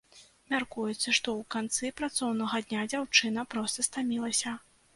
Мяркуецца, што ў канцы працоўнага дня дзяўчына проста стамілася.